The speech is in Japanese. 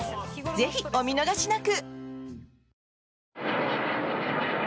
ぜひ、お見逃しなく！